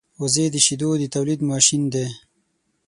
وزې د شیدو د تولېدو ماشین دی